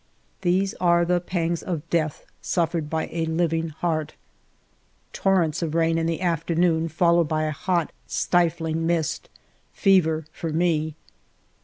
These are the pangs of death suffered by a living heart ! Torrents of rain in the afternoon, followed by a hot stifiing mist. Fever for me.